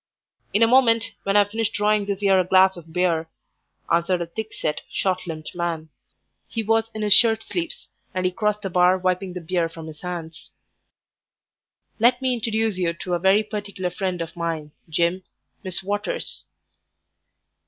"In a moment, when I've finished drawing this 'ere glass of beer," answered a thick set, short limbed man. He was in his shirt sleeves, and he crossed the bar wiping the beer from his hands. "Let me introduce you to a very particular friend of mine, Jim, Miss Waters."